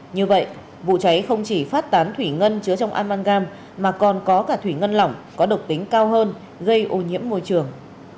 như vậy vụ cháy không chỉ phát tán thủy ngân chứa trong amalgam mà còn có cả thủy ngân lỏng có độc tính cao hơn gây ô nhiễm môi trường